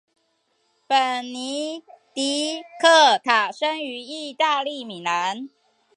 本尼迪克塔生于意大利米兰。